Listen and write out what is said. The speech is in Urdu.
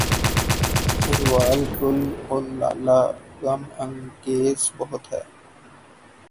احوال گل و لالہ غم انگیز بہت ہے